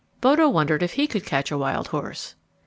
Bodo wondered if he could catch a wild horse.